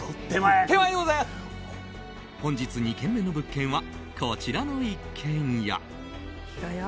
本日２件目の物件はこちらの一軒家。